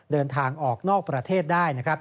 เดินทางออกนอกประเทศได้